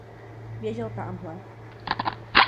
Běžel támhle.